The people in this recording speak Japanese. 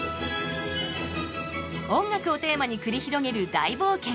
音楽をテーマに繰り広げる大冒険